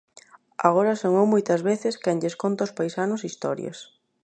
Agora son eu moitas veces quen lles conta aos paisanos historias.